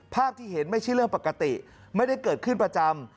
ภาพที่เห็นไม่ใช่เรื่องปกติไม่ได้เกิดขึ้นประจำ